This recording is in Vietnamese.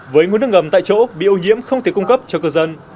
với nguồn nước ngầm tại chỗ bị ô nhiễm không thể cung cấp cho cư dân